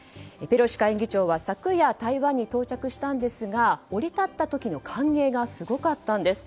ペロシ下院議長は昨夜、台湾に到着したんですが降り立った時の歓迎がすごかったんです。